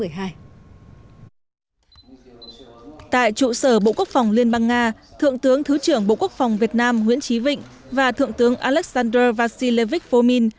tại trụ sở bộ quốc phòng liên bang nga thượng tướng thứ trưởng bộ quốc phòng việt nam nguyễn trí vịnh và thượng tướng alexander vacilevik formin